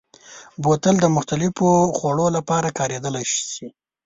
بوتل د مختلفو خوړو لپاره کارېدلی شي.